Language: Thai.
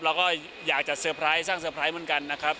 เราก็อยากจะเตอร์ไพรส์สร้างเซอร์ไพรส์เหมือนกันนะครับ